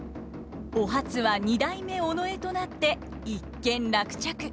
お初は二代目尾上となって一件落着。